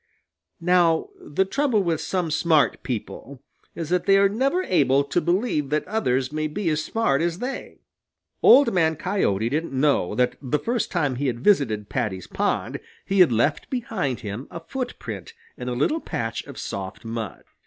Now the trouble with some smart people is that they are never able to believe that others may be as smart as they. Old Man Coyote didn't know that the first time he had visited Paddy's pond he had left behind him a footprint in a little patch of soft mud.